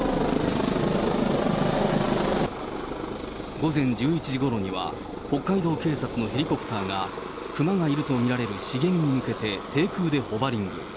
午前１１時ごろには、北海道警察のヘリコプターが、熊がいると見られる茂みに向けて、低空でホバリング。